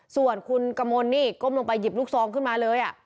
ส่วนคุณกมลนี่ก้มลงไปหยิบลูกซองขึ้นมาเลย